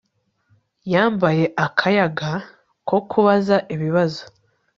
Yambaye akayaga ko kubaza ibibazo